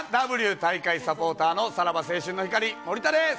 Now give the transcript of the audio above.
大会サポーターのさらば青春の光・森田です。